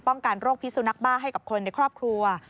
กันโรคพิสุนักบ้าให้กับคนในครอบครัว